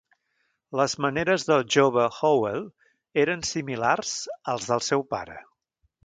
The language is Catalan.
Les maneres del jove Howell eren similars als del seu pare.